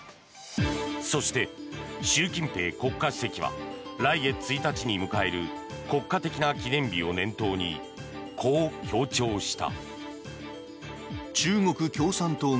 そして、習近平国家主席は来月１日に迎える国家的な記念日を念頭にこう強調した。